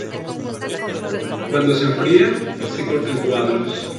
Cuando se enfría se corta en cuadros.